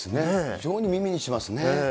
非常に耳にしますね。